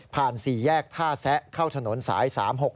๔แยกท่าแซะเข้าถนนสาย๓๖๖